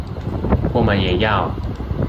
我們也要